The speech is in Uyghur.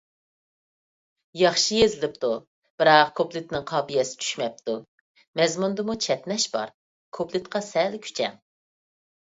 ياخشى يېزىلىپتۇ، بىراق كۇپلېتىنىڭ قاپىيەسى چۈشمەپتۇ. مەزمۇندىمۇ چەتنەش بار، كۇپلېتقا سەل كۈچەڭ.